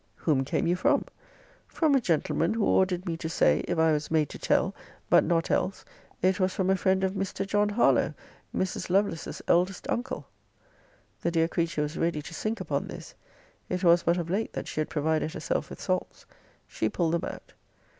Whom came you from? From a gentleman who ordered me to say, if I was made to tell, but not else, it was from a friend of Mr. John Harlowe, Mrs. Lovelace's eldest uncle. The dear creature was ready to sink upon this. It was but of late that she had provided herself with salts. She pulled them out.